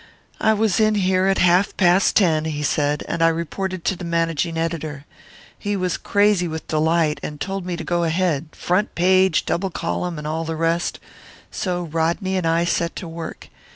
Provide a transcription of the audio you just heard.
"I was in here at half past ten," he said, "and I reported to the managing editor. He was crazy with delight, and told me to go ahead front page, double column, and all the rest. So Rodney and I set to work.